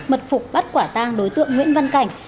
mật phục bắt quả tang đối tượng nguyễn văn cảnh